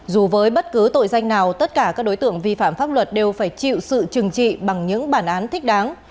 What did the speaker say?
dù với bất cứ tội danh nào tất cả các đối tượng vi phạm pháp luật đều phải chịu sự trừng trị bằng những bản án thích đáng